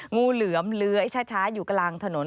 งูเหลือมเลื้อยช้าอยู่กลางถนน